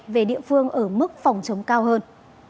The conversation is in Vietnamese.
về địa phương ở mức phòng chống cao hơn